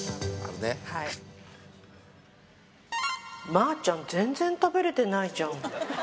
まーちゃん全然食べれてないじゃん